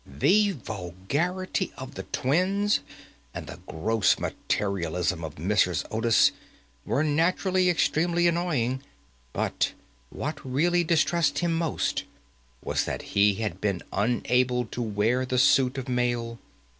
The vulgarity of the twins, and the gross materialism of Mrs. Otis, were naturally extremely annoying, but what really distressed him most was that he had been unable to wear the suit of mail.